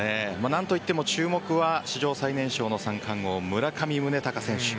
何といっても注目は史上最年少の三冠王村上宗隆選手。